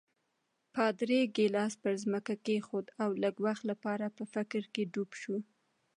پادري ګیلاس پر ځمکه کېښود او لږ وخت لپاره په فکر کې ډوب شو.